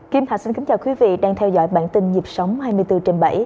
kim thạch xin kính chào quý vị đang theo dõi bản tin nhịp sống hai mươi bốn trên bảy